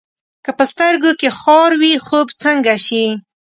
که په سترګو کې خار وي، خوب څنګه شي؟